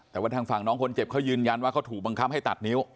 แต่ว่าทางฝั่งน้องคนเจ็บเขายืนยันว่าเขาถูกบังคับให้ตัดนิ้ว